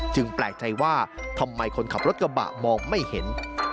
แปลกใจว่าทำไมคนขับรถกระบะมองไม่เห็น